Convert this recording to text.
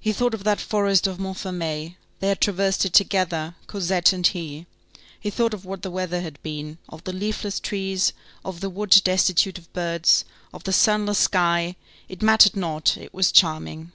He thought of that forest of Montfermeil; they had traversed it together, Cosette and he; he thought of what the weather had been, of the leafless trees, of the wood destitute of birds, of the sunless sky; it mattered not, it was charming.